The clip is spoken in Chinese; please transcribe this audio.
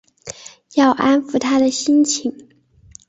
要安抚她的心情